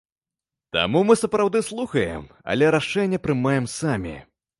Таму мы сапраўды слухаем, але рашэнне прымаем самі.